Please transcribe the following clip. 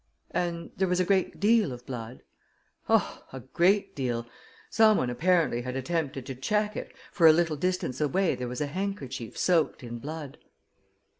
"And there was a great deal of blood?" "Oh, a great deal! Someone, apparently, had attempted to check it, for a little distance away there was a handkerchief soaked in blood."